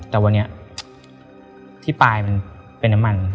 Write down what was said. แต่วันนี้ที่ปลายมันเป็นน้ำมัน